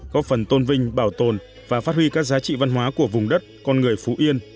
góp phần tôn vinh bảo tồn và phát huy các giá trị văn hóa của vùng đất con người phú yên